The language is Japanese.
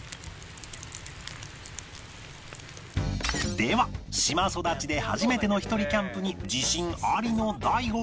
では島育ちで初めてのひとりキャンプに自信ありの大悟は